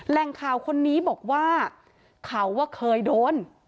แหล่งข่าวคนนี้บอกว่าเขาเคยโดน